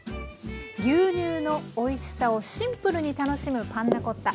牛乳のおいしさをシンプルに楽しむパンナコッタ。